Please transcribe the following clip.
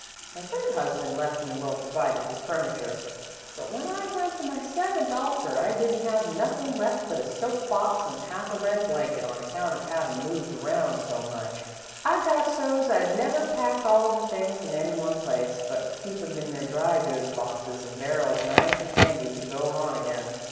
My third husband left me well provided with furniture, but when I went to my seventh altar, I didn't have nothin' left but a soap box an' half a red blanket, on account of havin' moved around so much. "I got so's I'd never unpack all the things in any one place, but keep 'em in their dry goods boxes an' barrels nice an' handy to go on again.